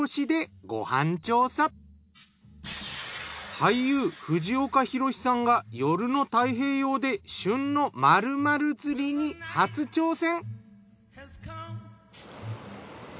俳優藤岡弘、さんが夜の太平洋で旬の○○釣りに初挑戦。